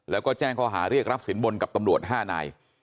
แล้วก็แจ้งข้อหาเรียกรับสินบนกับตำรวจ๕นาย